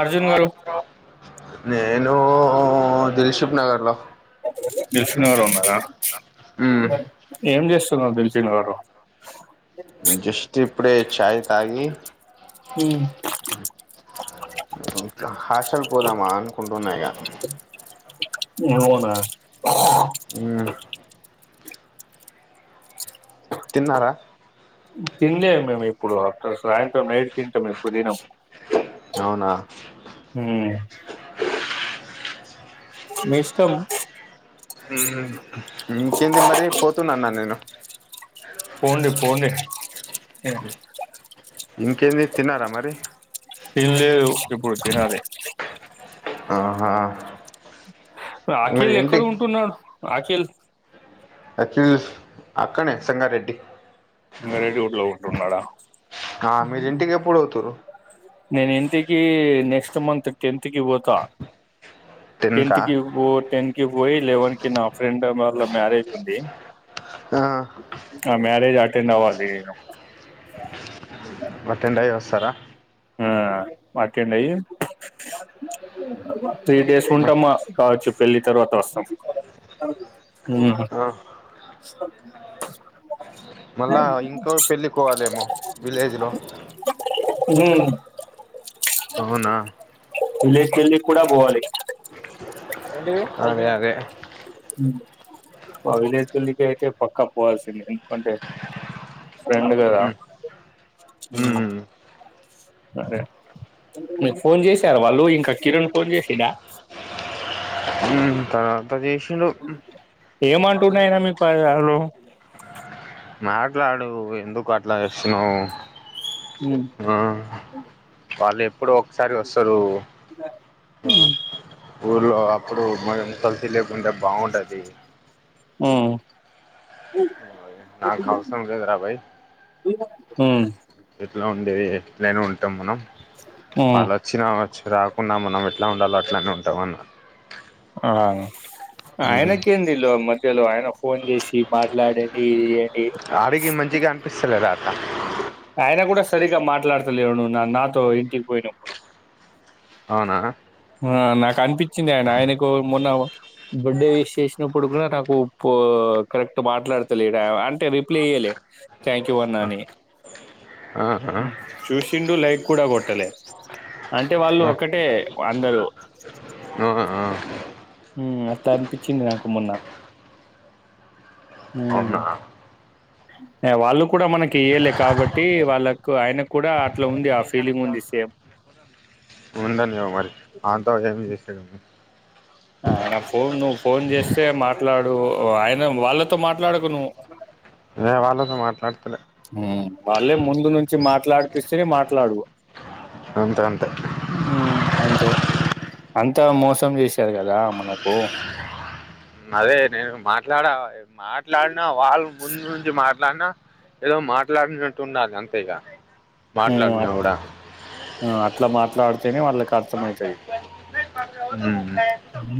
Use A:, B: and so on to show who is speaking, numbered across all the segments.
A: అర్జున్ గారు
B: నేను దిల్షుక్ నగర్లో మ్మ్
A: ఏం చేస్. తున్న దిల్సుఖ్ నగరు
B: మ్మ్ జస్ట్ ఇప్ పుడే ఛాయ్
A: హ్మ్
B: హాస్టల్ పోదామా అనుకుంటున్నాయి ఇక
A: అవునా
B: మ్మ్ తిన్నారా
A: తిన్న్ లేదు మేము ఇప్పుడు అ సాయంత్రం నైట్ తింటాం ఇప్పుడు తినం
B: అవునా
A: మీ ఇష్టం
B: ఇంకేంది మరి పోతున్నా అన్న నేను
A: పోండి పోండి
B: ఇంకేంది తిన్నారా మరి
A: తినలేదు ఇప్పుడు తినాలి
B: ఆహా మరి
A: రాఖీల్
B: ఏంటి
A: ఎక్కడ ఉంటున్నారు అఖల్
B: అఖిల్ అక్కనే సంగారెడ్డి
A: ఇ గడేడి ఊళ్ళో ఉంటున్నాడా
B: ఆ మీరు ఇంటి ఎప్పుడు పోతుండ్రు
A: నేను ఇంతకిి నెక్స్ట్ మంత్ టెన్త్ కి పోతా
B: టెన్కా
A: టెన్త్ కి టెన్త్ కి పోయి లేవన్ కి నా ఫ్రెండ్ మళ్ల మ్యారేజ్ ఉంది
B: ఆ
A: ఆ మ్యారేజ్ అటెండ్ అవ్వాలి
B: అటెండ్ అయ్యి వస్తారా
A: ఆ మాకేండైయి త్రీ డేస్ ఉంటామ్మా కావచ్చు పెళ్ళి తర్వాత వస్తాం
B: ఆ మళ్ళా ఇంకో పెళ్ళికిపోవాలేమో విలేజ్ లో
A: హూ
B: అవునా
A: విలేజ్ పెళ్లికి కుడా పోవాలి
B: అదే అదే
A: మా విలేజ పేల్లికి అయితే పక్కా పోవాల్సింది ఎందుకంటే ఫ్రెండ్ కదా
B: మ్మ్ హ్మ్
A: ఉ అదే మీకు ఫోన్ చేసార వాళ్ళు ఇంకా కిరణ ఫోన్ చేసినడా
B: తతది ను
A: ఏమ అంటున్నాయిర మీ పాయిదాలు
B: మాట్లాడు ఎందుకు అట్లా చే
A: ఉమ్
B: ఆ వాళ్ళు ఇప్పుడు ఒకసారి వస్తారు ఆ ఊరిలో అప్పుడు మనం కలి తెలియకుండా బాగుంటధీ
A: ఊ
B: నాకవసరంలేదుర భై
A: హ్మ్
B: ఎట్లా ఉండేది ఎట్లయినా ఉంటాం మనం
A: ఉమ్
B: ఆళ్లొచ్చినా చిరాకున్నా మనం ఎట్లా ఉండాలో అట్లనే ఉంటాం అన్నా
A: ఆ ఆయనకేందిలో మధ్యలో ఆయన ఫోన్ చేసి మాట్లాడేది
B: అడిగీ మంచిగా అనిపిస్తలేదా అట్లా
A: ఆయన కూడా సరిగ్గా మాట్లాడతలేడు నాతో ఇంటికి పోయినప్పుడు
B: అవునా
A: నాకు అనిపించింది ఆయన ఆయనకు మొన్న బర్త్డే విస్ చేసినప్పుడు కూడా నాకు పో కరెక్ట్ మాట్లాడతలే అంటే రిప్లై ఇయ్యలే థ్యాంక్ యూ అన్నా అని
B: ఆహా
A: చూసిండు లైక్ కూడా కొట్టలే అంటే వాళ్ళు
B: ఆ
A: ఒకటే అందరూ
B: ఆ ఆ
A: మ్మ్ అట్లాఅనిపించింది నాకు మొన్న మ్మ్
B: అవునా
A: వాళ్ళు కూడా మనకి ఇయ్యలే కాబట్టి వాళ్ళకు ఆయనకు కూడా అట్లా ఉంది ఆ ఫీలింగ్ ఉంది సేమ్
B: ఉందంగా మరి అతో ఏం చేసేదని
A: ఆయన ఫోన్ నువ్వు ఫోన్ చేస్తే మాట్లాడు ఆయన వాళ్ళతో మాట్లాడకు నువ్వు
B: లే వాళ్ళతో మాట్లాడుతలే
A: వాళ్ళే ముందు నుంచి మాట్లాడిపిస్తే మాట్లాడు
B: అంతే అంతే
A: మ్మ్ అంతే అంతా మోసం చేశారు కదా మనకు
B: అదే నేను మాట్లాడా మాట్లాడిన వాళ్ళ ముందు నుంచి మాట్ అట్లాన్నా ఏదో మాట్లాడినట్టు ఉండాలి అంతేఇగా
A: మ్మ్
B: మాట్లాడినా కూడా
A: ఆ అట్లా మాట్లాడితేనే వాళ్ళకి అర్థం అయితది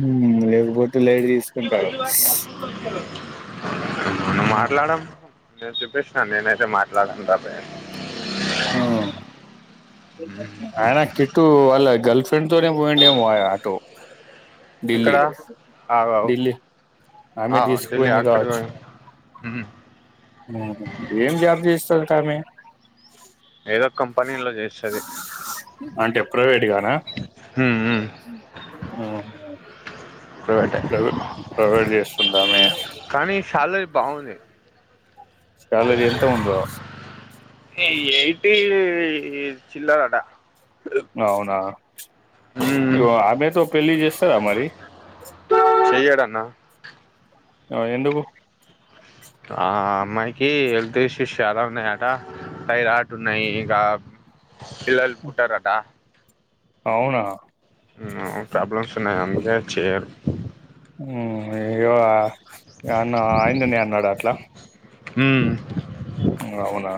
A: మ్మ్ లేవు బోత్ లేడిస్
B: మన్న మాట్లాడం నేను చూపిస్తుా నేనైతే మాట్లాడను తప్పే
A: ఆ ఆయన కిట్టు వాళ్ళ గర్ల్ ఫ్రెండ్ తోనే పోయంండడి ఏమో ఆటో
B: ఇక్కడ ఆ ఆ
A: ఆమె
B: ఆ ఢిలీ
A: తీసుకుపోయింది
B: అక్కడ
A: కావచ్చు ఏం జాబ్ చేస్త తామ
B: ఏదో కంపెనీలో చేస్తుంది
A: అంటే ప్రైవేట్ గానా
B: మ్మ్ మ్మ్
A: మ్మ్
B: ట
A: చేస్తుంది ఆమె
B: కానీ సాలరీ బాగుంది
A: సాలరి ఎంత ఉందో
B: ఎయిటి చిల్లర్ అట
A: అవునా
B: ఉమ్,
A: య్యో అమెతో పెళ్లి చేస్తారా మరి
B: చేయడాన్న
A: ఆ ఎందుకు
B: ఆ అమ్మాయికి హెల్త్ ఇష్యూ ష్యూస్ చాలా ఉన్నాయట పైరా ఆటు ఉన్నాయి ఇంకా పిలల్లు పుట్టారటా
A: అవునా
B: ఊ ప్రాబ్లమ్స్ ఉన్నాయా అండి నేను చేయారు
A: ఉ ఇ అన్న అయిందని అన్నాడ అట్లా
B: ఉ
A: అవునా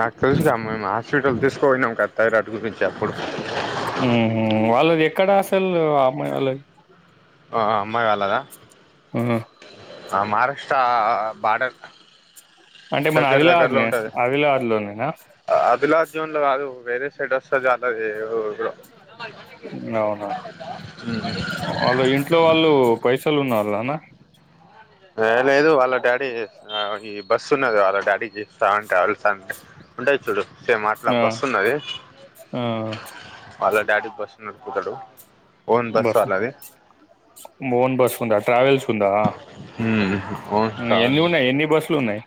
B: నాకు తెలుసి అమ్మాయ సిటల్ తీసుకపోయినాంక థైరాడ్ గురించి అప్పుడు
A: వాళ్ళది ఎక్కడ అసలు అమ్మాయి వాళ్ళది.
B: ఆ అమ్మాయి వాళ్ళదా
A: ఆ
B: మహారాష్ట్ర బాడర్
A: అంటే మన ఆదిలాబాద్ ని ఆదిలాబాద్ లోనేనా
B: జీన్ లో కాదు వేరే సైడ్ వస్తది అట్టాగే ఊరు లో
A: అవునా వాళ్ళ ఇంట్లో వాళ్ళు పైసలు ఉన్నారు. నొమ
B: లేదు వాళ్ళ డాడీ ఈ బస్ ఉన్నది. వాళ్ళ డాడీ స్తవన్ ట్రావెల్స్ అని ఉంటాయి చూడు. సేమ్ అట్లా
A: ఆ
B: బస్సున్నది.
A: ఆ
B: వాళ్ళ డాడీ బస్ నడుపుతాడు. ఓన్
A: బస్
B: వాళ్ళది
A: ఒన్ బస్ ఉందా ట్రావెల్స్ ఉందా
B: మ్మ్ ఓన్
A: ఎన్ని
B: ట్రావెల్
A: ఉన్నాయి ఎన్ని బస్సులు ఉన్నాయి.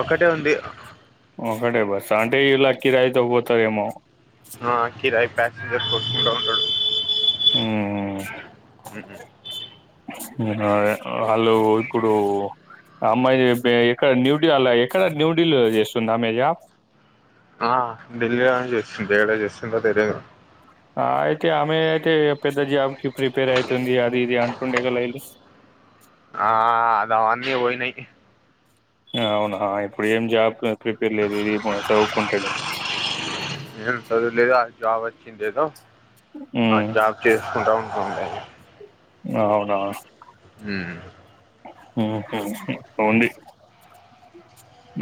B: ఒక్కటే ఉంది.
A: ఒక్కటే బస్ అంటే ఇలా కిరాయతో పోత్తర ఏమ
B: ఆ కిరాయి ప్యాసెంజర్స్ కోట్టుకుంటారు మ్మ్.
A: ఊఉ వాళ్ళు ఇప్పుడు అమ్మాయి ఎక్కడ న్యూడీల్లీ ఎక్కడ న్యూడీల్లీ చేస్తుంది అమ్మాయి జాబ్.
B: ఆ డిల్లీ జస్సింతక్కడ జసింద తెలియ
A: ఆ అయితే అమె అయితే పెద్ద జాబ్ కి ప్రిపేర్ అయితుంది అది ఇది అంటుండే ఇలు
B: ఆ, అది అవన్నీ పోయినాయి
A: అవునా ఇప్పుడు ఏం జాబ్ ప్రిపేర్ లేదు ఇది మ చౌవుకుంటాంది.
B: జబ్ వచ్చిందేదో ఆ జాబ్ చేసుకుంటా ఉంటుంది.
A: అవునువును
B: ఊ
A: ఊ హు వుంది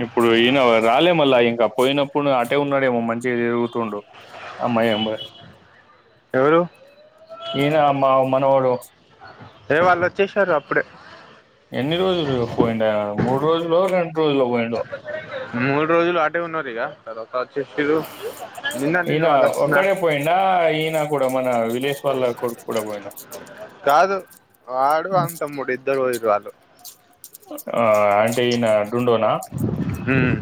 A: ఇప్పుడు ఈయన రాలే మళ్ళా, ఇంకా పోయినప్పుడు అటే ఉన్నాడేమో మంచిగా చదువుతుండు అమ్మాయి అమ్మాయి
B: ఎవరు
A: నేను ఆ మా మనవడు.
B: ఏ వాళ్ళు వచ్చేసారు అప్పుడే.
A: ఎన్ని రోజులు పోయిండాయా మూడు రోజులో రెండు రోజుల్లో పోయిండొ.
B: మూడు రోజులు అట్టే ఉన్నాడుగా.
A: ఈన
B: వాళ్ళు వస్తున్నా
A: ఒక్కడే పోయిండా ఈయన. ఇప్పుడు మన విలేజ్ వాళ్ళ కొడుకు కూడా పోయిండా.
B: కాదు. వాడు అంతమ్ముూడు ఇద్దరు పోయిరు వాళ్లు.
A: ఆ అంటే ఈయన దొండొన.
B: ఉమ్.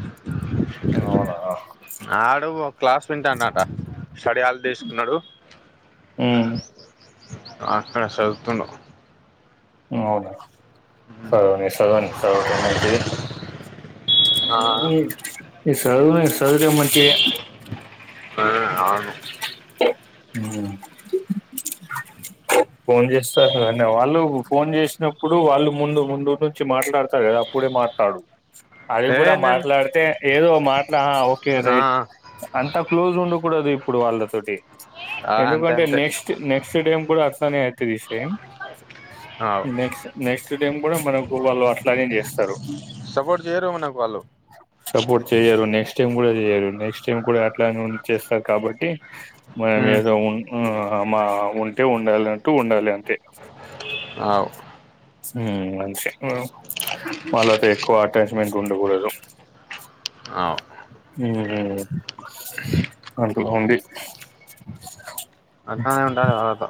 B: ఆడు ఓక్. క్లాస్ వింటాడట. స్టడీహాల్ తీసుకున్నాడు.
A: ఉమ్
B: అక్కడ చదువుతుండు.
A: అవున. సగమే సగం చదువుతే మంచిది.
B: ఆ
A: అ ఈ సదువదేం సాధువుడె మంచిగా.
B: ఆ అవును.
A: ఫోన్ చస్తారు గానీ వాళ్ళు ఫోన్ చేసినపుడు వాలు ముందు ముందు నుంచి మాట్లాడతా గదా అప్పుడే మాట్లాడు. అది
B: ఏ
A: కూడా
B: నేను
A: మాట్లాడితే. ఏదో మాట్ ఆ ఓకే
B: ఆ
A: రైట్ అంతా క్లోజ్ ఉండు. ఫోటో దిగు ఇప్పుడు వాళ్లతోటి.
B: ఆ అంతే
A: ఎందుకంటే
B: అంతే
A: నెక్స్ట్ నెక్స్ట్ డే ఉమ్ కూడ. తనయతిది సేమ్.
B: అవు
A: నెక్స్ట్ నెక్స్ట్ టైమ్ కూడా మనకు వాళ్ళు అట్లానే చేస్తారు.
B: సపోర్ట్ చేయరు మనకు వాళ్లు.
A: చెయ్యను కూడా చేయడం నెక్స్ట్ ఇంకోడు అట్లానే ఉంట్. చేస్తా కాబట్టి. మనం
B: ఉమ్
A: ఏదో ఉన్. ఆ మా ఉంటే ఉండాల ఐనటు ఉండాలి అంతే.
B: అవ్
A: ఉమ్ అంతే వాళ్ళతో ఎక్కువ అటాచ్మెంట్ ఉండకూడదు.
B: ఆవ్.
A: ఉమ్ అంటుంది.
B: అట్లానే ఉంటాది వాళ్ళతో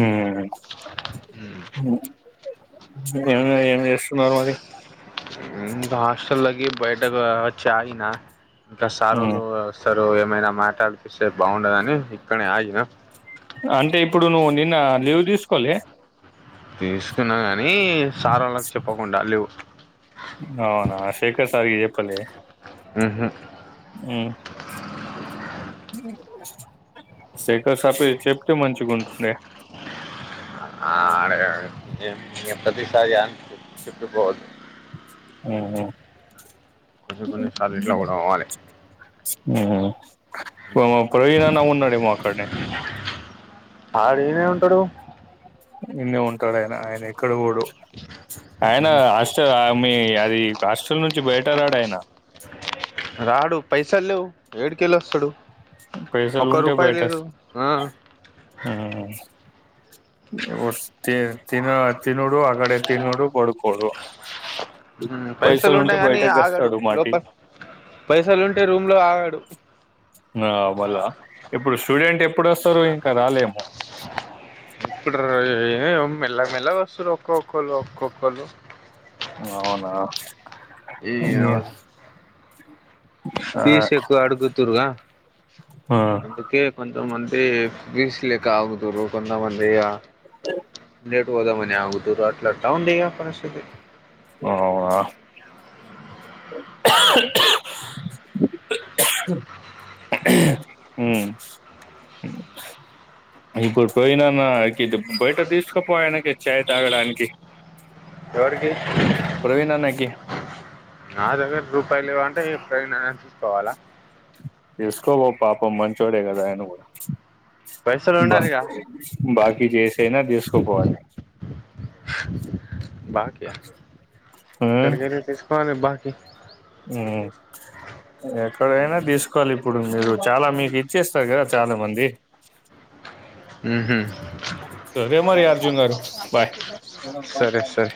A: ఊ హూ ఏమో ఏం చేస్తున్నారు మరి
B: మ్మ్ వాష్ టల్లకి బయటకు అచ్చి ఆగిన ఇంకా
A: ఉమ్
B: సారోళ్ళు అస్ టరు ఏమైనా మాటాడిపిస్తే బావుండదని ఇక్కడనే ఆగిన
A: అంటే ఇప్పుడు నువ్వు నిన్న లీవ్ తీసుకోలే
B: తీసుకున్నాగా ని సారోళ్ళకి చెప్పకుండా లీవ్
A: అవునా శేఖర్ సారకి ఏపల్లే
B: ఉహు
A: ఊ సైకో సార్ కి చెప్తే మంచిగుంటుండే
B: ఆడగా నను ప్రతిసారి చెప్పుటుకోవదు
A: హు
B: కొన్ని కొన్ని సార్ ఇట్లా కూడా పోవాలి
A: ప్రవీణన అన్న కూడా ఉన్నాడెమో అక్కడనే
B: ఆడు ఏ ఉంటాడు
A: ఎన్న ఉంటాడు ఆయన ఆయన ఎక్కడ కూడా ఆయన హాస్టల్ ఆ మీ అది హాస్టల్ నుంచి బయట రాడు ఆయన
B: రాడు పైస లేవు ఏడు కెలి వస్తాడు
A: పైస లో
B: ఒక్క
A: ఉంటా
B: రూపాయి
A: బయటస్
B: లేదు ఆ
A: వ తిన తినడు ఆగడ తిన్నోడు బడుకోడు
B: పైసలు ఉంటేయి గాని ఆగాడు
A: వస్తాడు మాటి
B: లోపల పైసలు ఉంటే రూమ్ లో ఆగాడు
A: ఆ అ మళ్ళ ఇప్పుడు స్టూడెంట్ ఎప్పుడు స్తారు ఇంకా రాలేము
B: ఏ మెలా మెలా వస్తు ర ఒక్క ఒక్కలు ఒక్క ఒక్కలు
A: అవునా
B: ఈ అవు ఫీజు ఎక్కువ అడుగుతుర గా అందు కేేక్ కొంత మ ఏ బీస్ లేక అవుతూరు కొన్నామంది
A: ఓే
B: లేట్ హోద మని ఆగుతురు అట్లా డౌన్ ఉంది పరిస్థితి
A: అఓ హు ఇప్పుడు పోయినాన్నది బయట తీసుకుపోయానకి చేయ్ తాగడానికి
B: ఎవరికి
A: ప్రవీణ అన్న కి
B: నా దగ్గర రూపాయలు లేవు అంటేనా పోవాల
A: తీసుకపో పాపం మంచోడేగాద అయన కూడా
B: పైసలు
A: బా
B: ఉండాలిగా
A: బాకీ చేసయినా తీసుకోపోవాలి
B: బాకా అక్కడాడగాలి తీసుకోనే బ
A: హ్మ్ ఎక్కడైనా తీసుకోవాలి ఇప్పుడు మీరు చాలా మీకు ఇచ్చేస్తారు కదా చాలా మంది
B: హు
A: సరే మరి అర్జున్ గారు బాయ్
B: సరే సరే